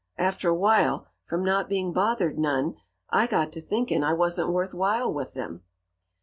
After a while, from not being bothered none, I got to thinking I wasn't worth while with them.